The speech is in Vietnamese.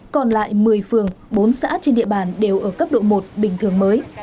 còn lại một mươi phường bốn xã trên địa bàn đều ở cấp độ một bình thường mới